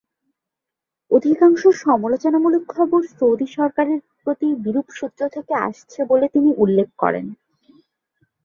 অধিকাংশ সমালোচনামূলক খবর সৌদি সরকারের প্রতি বিরূপ সূত্র থেকে আসছে বলে তিনি উল্লেখ করেন।